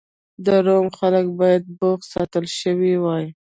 د روم خلک باید بوخت ساتل شوي وای